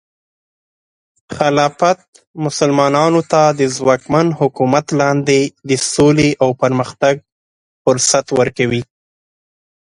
خلافت مسلمانانو ته د ځواکمن حکومت لاندې د سولې او پرمختګ فرصت ورکوي.